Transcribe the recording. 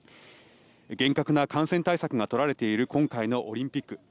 厳格な感染対策が取られている今回のオリンピック。